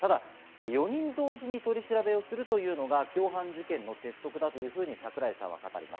４人同時に取り調べをするというのが共犯事件の鉄則だというふうに櫻井さんは語ります。